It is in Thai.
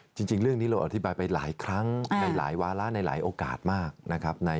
จริงเรื่องนี้เราอธิบายไปหลายครั้งในหลายวาระในหลายโอกาสมากนะครับ